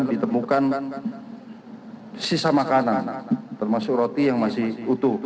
ditemukan sisa makanan termasuk roti yang masih utuh